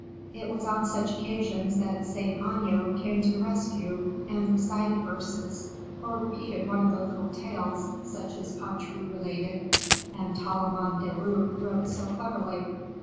It was on such occasions that Saint Aignan came to the rescue, and recited verses, or repeated one of those little tales such as Patru related, and Tallemant des Reaux wrote so cleverly.